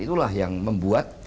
itulah yang membuat